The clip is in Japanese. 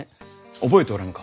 覚えておらぬか？